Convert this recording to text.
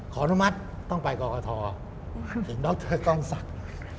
อนุมัติต้องไปกรกฐถึงดรกองศักดิ์